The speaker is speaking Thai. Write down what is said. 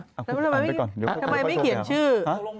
แล้วทำไมไม่เขียนชื่อ